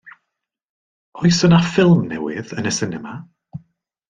Oes yna ffilm newydd yn y sinema?